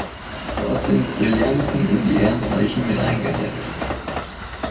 Dort sind Brillanten in die Ehrenzeichen mit eingesetzt.